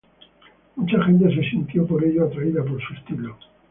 Mucha gente se sintió por ello atraída por su estilo.